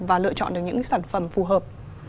và lựa chọn được những sản phẩm phù hợp